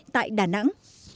tại đà nẵng